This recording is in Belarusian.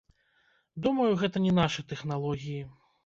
Думаю, гэта не нашы тэхналогіі.